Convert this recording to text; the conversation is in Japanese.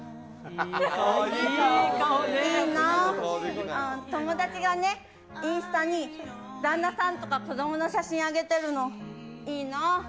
いいな、友達がね、インスタに旦那さんとか子どもの写真上げてるの、いいな。